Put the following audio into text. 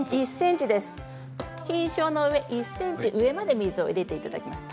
菌床の上１ｃｍ上まで水を入れていただきます。